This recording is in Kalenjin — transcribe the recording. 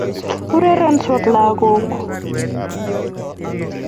urerendos lagok